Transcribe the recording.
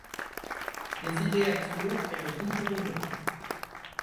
les idées à court et le bout du rouleau.